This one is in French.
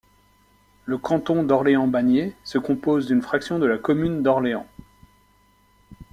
Le canton d'Orléans-Bannier se compose d’une fraction de la commune d'Orléans.